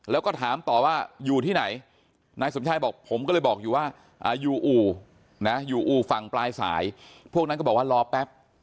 แล้วก็ถามต่อว่าอยู่ที่ไหนนายสมชายบอกผมก็เลยบอกอยู่ว่าอยู่อู่นะอยู่อู่ฝั่งปลายสายพวกนั้นก็บอกว่ารอแป๊บ